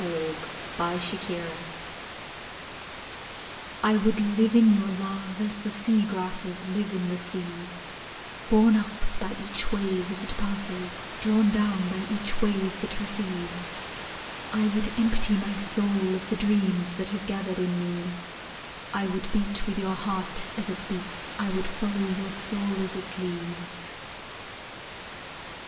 I Would Live in Your Love I would live in your love as the sea grasses live in the sea, Borne up by each wave as it passes, drawn down by each wave that recedes; I would empty my soul of the dreams that have gathered in me, I would beat with your heart as it beats, I would follow your soul as it leads.